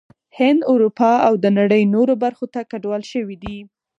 هند، اروپا او د نړۍ نورو برخو ته کډوال شوي دي